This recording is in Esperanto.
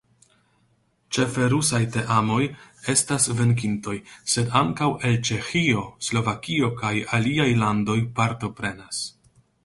Ĉefe rusaj teamoj estas venkintoj, sed ankaŭ el Ĉeĥio, Slovakio kaj aliaj landoj partoprenas.